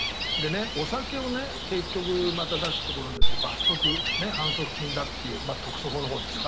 お酒を結局また出すところによって罰則、反則金だっていう特措法のほうですか？